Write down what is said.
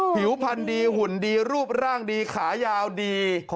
ผิวพันธุ์ดีหุ่นดีรูปร่างดีขายาวดี